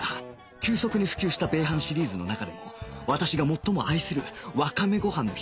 急速に普及した米飯シリーズの中でも私が最も愛するわかめご飯の日